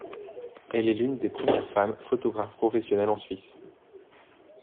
Elle est l'une des premières femmes photographes professionnelles en Suisse.